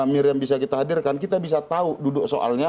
miriam bisa kita hadirkan kita bisa tahu duduk soalnya